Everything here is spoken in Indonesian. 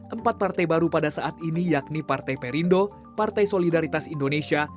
empat partai baru pada saat ini yakni partai perindo partai solidaritas indonesia